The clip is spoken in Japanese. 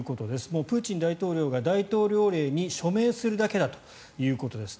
もうプーチン大統領が大統領令に署名するだけだということです。